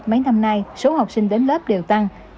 mấy năm nay số học sinh đến lớp đều tăng